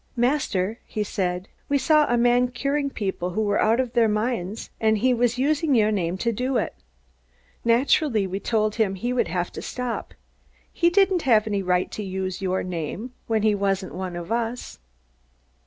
"Master," he said, "we saw a man curing people who were out of their minds and he was using your name to do it! Naturally we told him he would have to stop. He didn't have any right to use your name, when he wasn't one of us!"